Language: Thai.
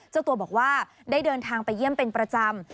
เจ้าตัวบอกว่าได้เดินทางไปเยี่ยมเป็นประจำ